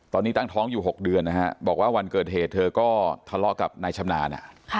ตอนนี้ตั้งท้องอยู่๖เดือนนะฮะบอกว่าวันเกิดเหตุเธอก็ทะเลาะกับนายชำนาญ